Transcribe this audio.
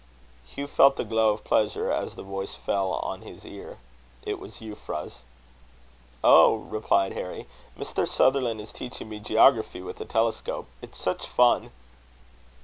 Hugh felt a glow of pleasure as the voice fell on his ear. It was Euphra's. "Oh!" replied Harry, "Mr. Sutherland is teaching me geography with a telescope. It's such fun!"